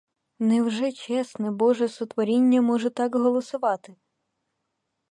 Невже чесне боже сотворіння може так голосувати?